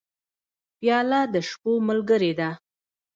پیاله د شپو ملګرې ده.